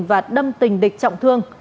và đâm tình địch trọng thương